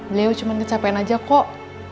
beliau cuma kecapean aja kok